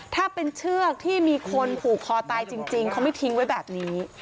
ถ้าเป็นเชือกที่มีคนผูกคอตายจริงเขาไม่ทิ้งไว้แบบนี้